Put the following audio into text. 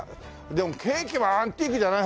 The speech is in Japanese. でもケーキはアンティークじゃない方が。